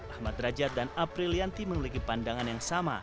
ahmad rajad dan april lianti memiliki pandangan yang sama